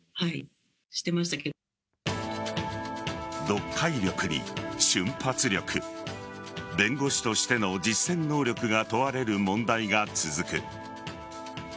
読解力に瞬発力弁護士としての実践能力が問われる問題が続く。